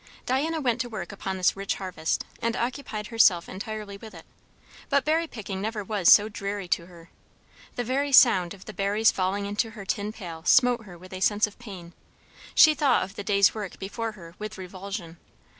Diana went to work upon this rich harvest, and occupied herself entirely with it; but berry picking never was so dreary to her. The very sound of the berries falling into her tin pail smote her with a sense of pain; she thought of the day's work before her with revulsion.